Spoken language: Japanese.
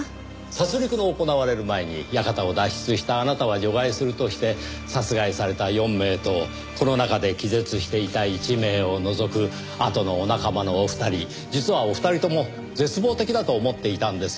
殺戮の行われる前に館を脱出したあなたは除外するとして殺害された４名とこの中で気絶していた１名を除くあとのお仲間のお二人実はお二人とも絶望的だと思っていたんですよ。